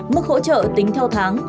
mức hỗ trợ tính theo tháng